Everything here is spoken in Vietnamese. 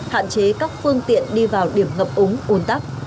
hạn chế các phương tiện đi vào điểm ngập uống ôn tắp